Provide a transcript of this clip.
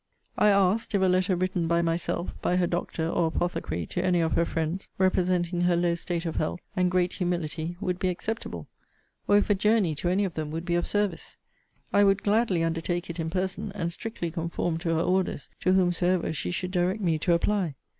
I asked, if a letter written by myself, by her doctor or apothecary, to any of her friends, representing her low state of health, and great humility, would be acceptable? or if a journey to any of them would be of service, I would gladly undertake it in person, and strictly conform to her orders, to whomsoever she should direct me to apply.